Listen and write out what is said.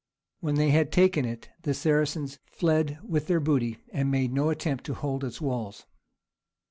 When they had taken it the Saracens fled with their booty, and made no attempt to hold its walls.